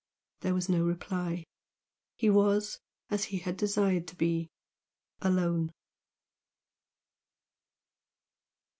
There was no reply. He was as he had desired to be, alone.